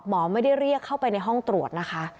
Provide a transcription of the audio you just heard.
หมอไม่ได้เรียกเข้าไปในห้องตรวจนะคะ